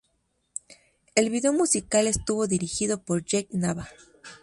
El vídeo musical estuvo dirigido por Jake Nava.